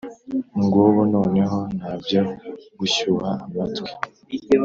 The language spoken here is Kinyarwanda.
Ngubu noneho ntabyo gushyuha amatwi